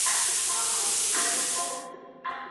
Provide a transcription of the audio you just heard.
شاته بېپایه سمندر